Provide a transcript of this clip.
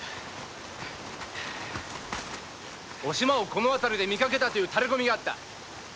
おしまをこの辺りで見かけたという知らせがあった。